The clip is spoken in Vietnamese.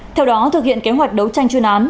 theo đó thực hiện kế hoạch đấu tranh chuyên án